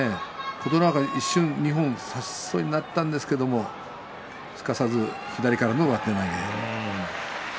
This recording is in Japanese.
琴ノ若は一瞬、二本差せそうになったんですけれどすかさず左からの上手投げ。